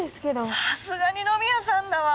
さすが二宮さんだわ！